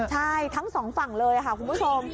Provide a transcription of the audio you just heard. ใช่ทั้งสองฝั่งเลยค่ะคุณผู้ชม